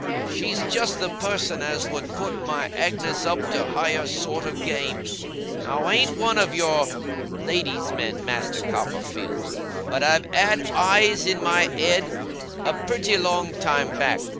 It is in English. She's just the person as would put my Agnes up to higher sort of game. Now, I ain't one of your lady's men, Master Copperfield; but I've had eyes in my ed, a pretty long time back.